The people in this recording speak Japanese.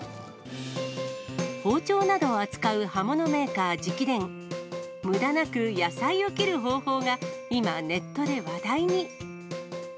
包丁などを扱う刃物メーカー直伝、むだなく野菜を切る方法が、今、ネットで話題に。